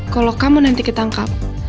kalau kamu nanti ketangkap